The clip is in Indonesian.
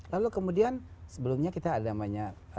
lalu kemudian sebelumnya kita ada namanya